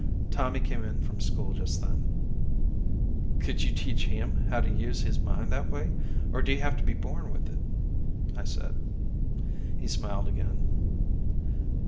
Tommy came in from school just then. "Could you teach him how to use his mind that way, or do you have to be born with it?" I said. He smiled again.